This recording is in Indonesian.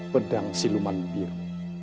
pedang siluman biru